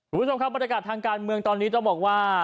บัตรกาศทางการเมืองตอนนี้ต้องบอกว่า